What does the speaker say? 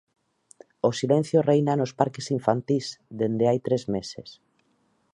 O silencio reina nos parques infantís dende hai tres meses.